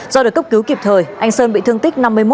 do được cấp cứu kịp thời anh sơn bị thương tích năm mươi một